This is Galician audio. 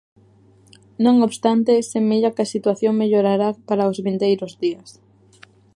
Non obstante, semella que a situación mellorará para os vindeiros días.